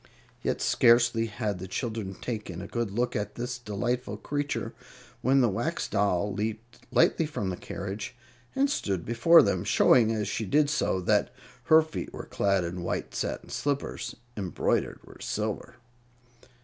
Yet scarcely had the children taken a good look at this delightful creature, when the Wax Doll leaped lightly from the carriage and stood before them, showing, as she did so, that her feet were clad in white satin slippers, embroidered with silver.